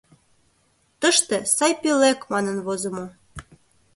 — Тыште “Сай пӧлек” манын возымо.